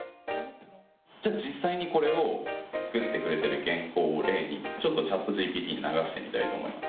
じゃあ実際にこれを作ってくれてる原稿を例に、ちょっとチャットＧＰＴに流してみたいと思います。